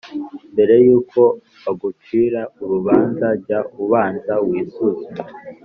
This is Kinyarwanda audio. Mbere y’uko bagucira urubanza, jya ubanza wisuzume,